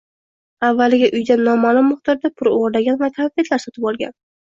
avvaliga uydan noma’lum miqdorda pul o‘g‘irlagan va konfetlar sotib olgan.